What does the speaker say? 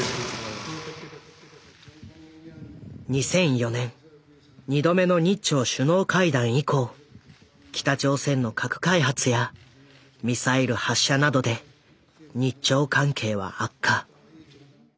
２００４年２度目の日朝首脳会談以降北朝鮮の核開発やミサイル発射などで日朝関係は悪化。